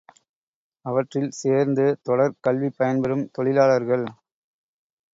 அவற்றில் சேர்ந்து, தொடர் கல்விப் பயன்பெறும் தொழிலாளர்கள்.